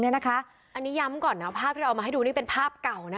อันนี้ย้ำก่อนนะภาพที่เอามาให้ดูนี่เป็นภาพเก่านะ